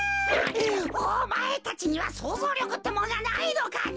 おまえたちにはそうぞうりょくってもんがないのかね。